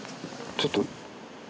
ちょっと。